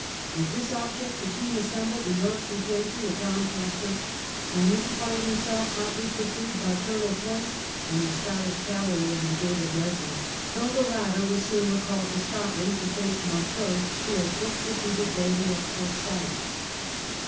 With this object the king assem The king's bled the Yorkshire gentry at Doncaster only last hope. to find himself hotly pursued by Colonel Poyntz and the Scottish cavalry under David Leslie, though the latter was soon recalled to Scotland to face Montrose, who had just defeated Baillie at Kilsyth.